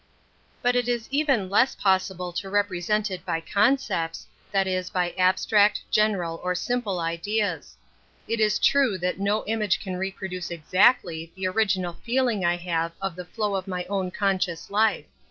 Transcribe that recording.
But it is even less possible to represent. \ it by concepts^ that is by abstract, general, / or simple ideas. It is true that no image can reproduce exactly the original feeling I have of the flow of my own conscious life.